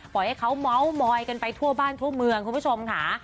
ให้เขาเมาส์มอยกันไปทั่วบ้านทั่วเมืองคุณผู้ชมค่ะ